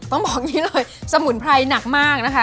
ต้องบอกอย่างนี้เลยสมุนไพรหนักมากนะคะ